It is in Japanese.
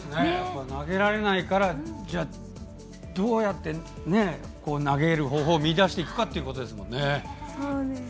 投げられないからどうやって投げる方法を見いだしていくかということですもんね。